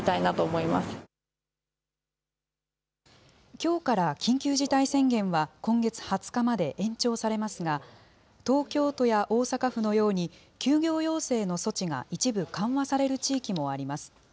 きょうから緊急事態宣言は、今月２０日まで延長されますが、東京都や大阪府のように、休業要請の措置が一部緩和される地域もあります。